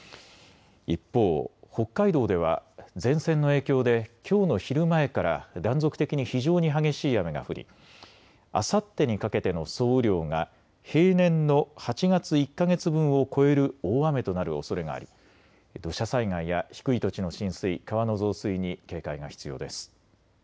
一方、北海道では前線の影響できょうの昼前から断続的に非常に激しい雨が降りあさってにかけての総雨量が平年の８月１か月分を超える大雨となるおそれがあり土砂災害や低い土地の浸水、川の増水に警戒が必要です。